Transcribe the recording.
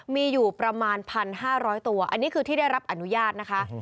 มีอยู่ประมาณ๑๕๐๐ตัวอันนี้คือที่ได้รับอนุญาตนะคะ